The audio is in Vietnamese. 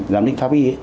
giám định pháp y